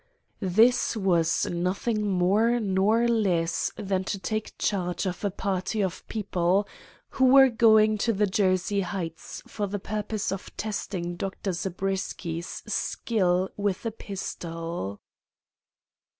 "This was nothing more nor less than to take charge of a party of people who were going to the Jersey heights for the purpose of testing Dr. Zabriskie's skill with a pistol."